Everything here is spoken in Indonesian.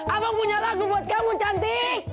abang punya lagu buat kamu cantik